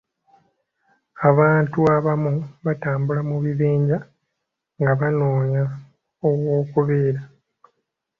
Abantu abamu batambula mu bibinja nga banoonya ew'okubeera.